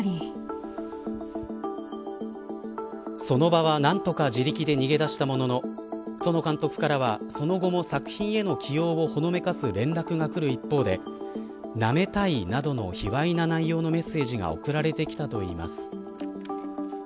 その場は何とか自力で逃げ出したものの園監督からは、その後も作品への起用をほのめかす連絡がくる一方でなめたいなどの卑わいな内容のメッセージが送られてきたといいます。